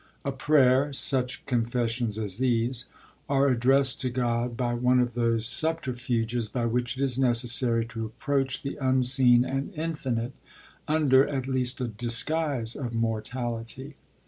A prayer, such confessions as these, are addressed to God by one of those subterfuges by which it is necessary to approach the unseen and infinite, under at least a disguise of mortality.